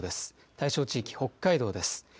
対象地域、北海道です。